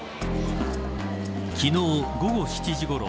昨日午後７時ごろ